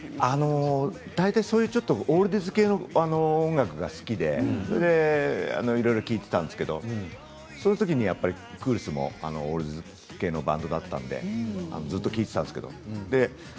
オールディーズ系の音楽が好きで、いろいろ聴いていたんですがクールスもオールディーズ系のバンドだったのでずっと聴いていたんです。